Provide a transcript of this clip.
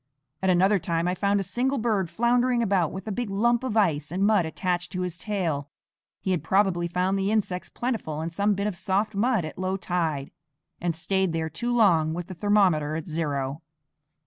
At another time I found a single bird floundering about with a big lump of ice and mud attached to his tail. He had probably found the insects plentiful in some bit of soft mud at low tide, and stayed there too long with the thermometer at zero.